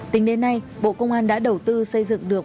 tính đến nay bộ công an đã đầu tư xây dựng được